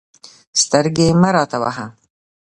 سترګې مه راته وهه.